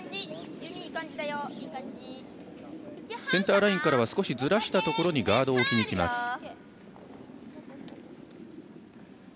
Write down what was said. センターラインから少しずらしたところにガードを置きにきます。